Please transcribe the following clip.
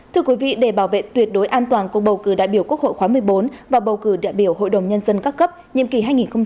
thưa quý vị để bảo vệ tuyệt đối an toàn cuộc bầu cử đại biểu quốc hội khóa một mươi bốn và bầu cử đại biểu hội đồng nhân dân các cấp nhiệm kỳ hai nghìn hai mươi một hai nghìn hai mươi sáu